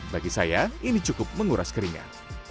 bagi saya ini cukup menguras keringat